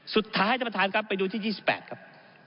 สุดท้ายท่านประธานครับไปดูที่๒๘ครับ